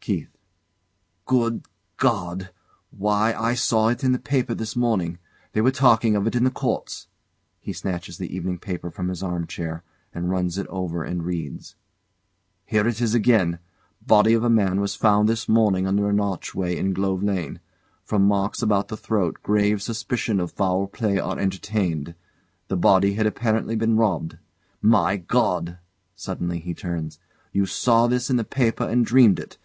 KEITH. Good God! Why, I saw it in the paper this morning. They were talking of it in the Courts! [He snatches the evening paper from his armchair, and runs it over anal reads] Here it is again. "Body of a man was found this morning under an archway in Glove Lane. From marks about the throat grave suspicion of foul play are entertained. The body had apparently been robbed." My God! [Suddenly he turns] You saw this in the paper and dreamed it.